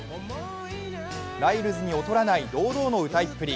ライルズに劣らない堂々の歌いっぷり。